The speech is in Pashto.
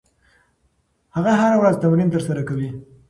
هغه هره ورځ تمرین ترسره کوي.